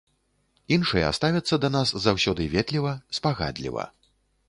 Іншыя ставяцца да нас заўсёды ветліва, спагадліва.